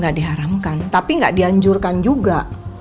gak diharamkan tapi gak dianjurkan juga